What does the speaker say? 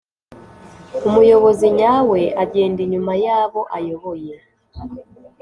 Umuyobozi nyawe agenda inyuma yabo ayoboye